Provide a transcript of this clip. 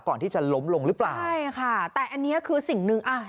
ก่อนที่จะล้มลงหรือเปล่าใช่ค่ะแต่อันนี้คือสิ่งหนึ่งอ่ะ